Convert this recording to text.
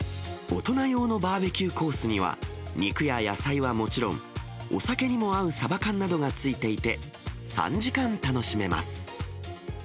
大人用のバーベキューコースには、肉や野菜はもちろん、お酒にも合うさば缶などが付いていて、３時間楽しめます。